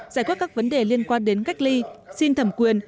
giải quyết các vấn đề liên quan đến cách ly xin thẩm quyền